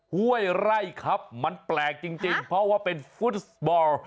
ห้วยไร่ครับมันแปลกจริงเพราะว่าเป็นฟุตบอล